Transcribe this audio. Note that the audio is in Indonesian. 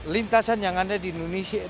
lintasan yang ada di indonesia